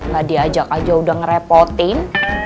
gak diajak aja udah ngerepotin